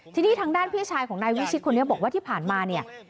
ทีนี้ทางด้านพี่ชายของนายวิชิตคนนี้บอกว่าที่ผ่านมาเนี่ย